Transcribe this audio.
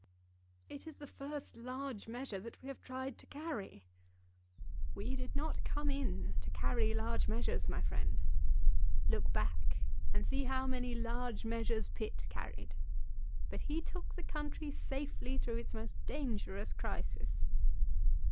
"It is the first large measure that we have tried to carry." "We did not come in to carry large measures, my friend. Look back and see how many large measures Pitt carried, but he took the country safely through its most dangerous crisis."